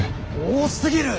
多すぎる！